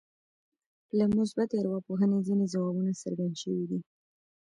له مثبتې ارواپوهنې ځينې ځوابونه څرګند شوي دي.